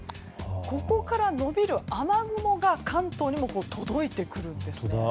ここから延びる雨雲が関東にも届いてくるんですね。